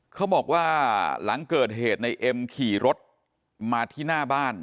เขาบอกว่าหลังเกิดเหตุในเอ็มขี่รถมาที่หน้าบ้าน